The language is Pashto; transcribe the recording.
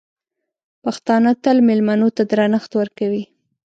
پښتانه تل مېلمنو ته درنښت ورکوي.